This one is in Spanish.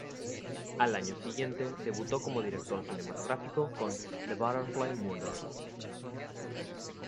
Al año siguiente debutó como director cinematográfico con "The Butterfly Murders".